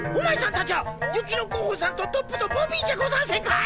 たちゃ雪のゴッホさんとトッポとボビーじゃござんせんかい？